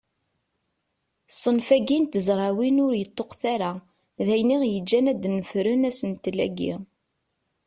Ṣṣenf-agi n tezrawin ur yeṭṭuqet ara, d ayen aɣ-yeǧǧen ad d-nefren asentel-agi.